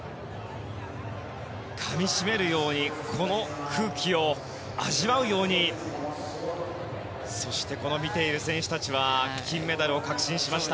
かみしめるようにこの空気を味わうようにそして、見ている選手たちは金メダルを確信しました。